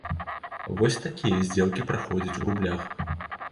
Вось такія здзелкі праходзяць у рублях.